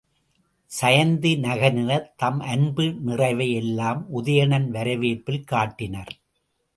சயந்தி நகரினர் தம் அன்பு நிறைவை எல்லாம் உதயணன் வரவேற்பில் காட்டினர்.